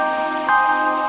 terima kasih banyak worden